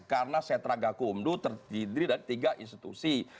karena setra gakumdu terdiri dari tiga institusi